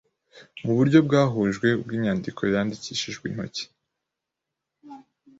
Mu buryo bwahujwe ubuinyandiko yandikishijwe intoki